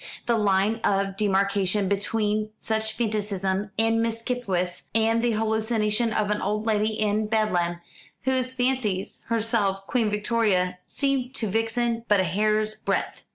The line of demarcation between such fanaticism as Miss Skipwith's and the hallucination of an old lady in Bedlam, who fancies herself Queen Victoria, seemed to Vixen but a hair's breadth.